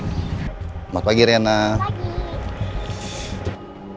kami siap ngawal riana ke sekolah pak